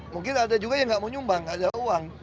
mungkin ada juga yang nggak mau nyumbang nggak ada uang